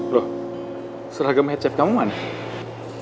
loh seragam head chef kamu mana